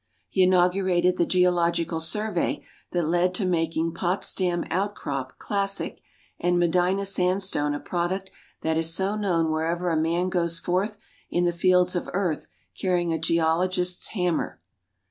He inaugurated the geological survey that led to making "Potsdam outcrop" classic, and "Medina sandstone" a product that is so known wherever a man goes forth in the fields of earth carrying a geologist's hammer.